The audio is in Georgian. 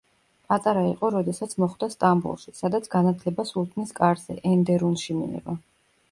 პატარა იყო როდესაც მოხვდა სტამბოლში, სადაც განათლება სულთნის კარზე, ენდერუნში მიიღო.